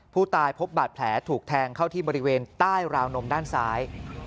ผู้ตายพบบาดแผลถูกแทงเข้าที่บริเวณใต้ราวนมด้านซ้าย